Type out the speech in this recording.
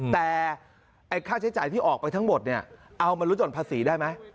แต่ค่าใช้จ่ายที่ออกไปทั้งหมดเอามารุนจนภาษีได้ไหม